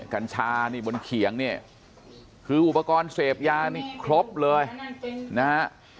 กัญชานี่บนเขียงเนี่ยคืออุปกรณ์เสพยานี่ครบเลยนะฮะ